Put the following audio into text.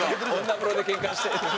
女風呂でケンカしてる。